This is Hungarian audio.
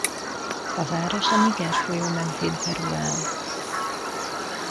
A város a Niger folyó mentén terül el.